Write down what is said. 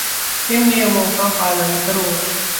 इन नियमों का पालन करो।